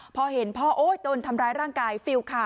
พอเห็นพ่อโอ๊ยตนทำร้ายร่างกายฟิลค่ะ